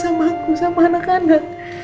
terutama pada saya dan anak anak anda